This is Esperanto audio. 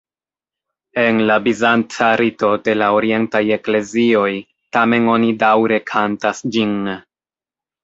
En la bizanca rito de la orientaj eklezioj tamen oni daŭre kantas ĝin.